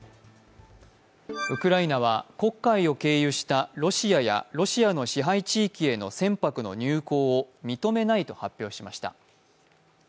ウクライナは黒海を経由したロシアやロシアの支配地域への船舶の入港を認めないと発表しました。